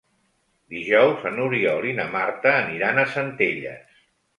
Dijous n'Oriol i na Marta aniran a Centelles.